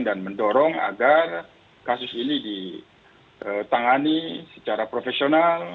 dan mendorong agar kasus ini ditangani secara profesional